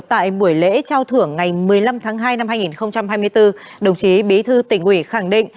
tại buổi lễ trao thưởng ngày một mươi năm tháng hai năm hai nghìn hai mươi bốn đồng chí bí thư tỉnh ủy khẳng định